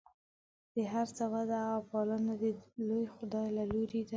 د هر څه وده او پالنه د لوی خدای له لورې ده.